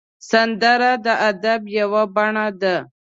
سندره د ادب یو بڼه ده